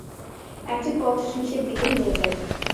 একটি পথ শীর্ষের দিকে নিয়ে যায়।